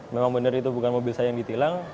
memang benar itu bukan mobil saya yang ditilang